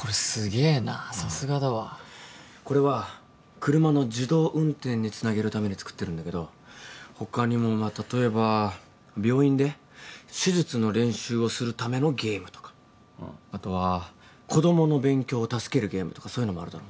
これすげえなさすがだわこれは車の自動運転につなげるために作ってるんだけど他にもまあ例えば病院で手術の練習をするためのゲームとかあとは子供の勉強を助けるゲームとかそういうのもあるだろ？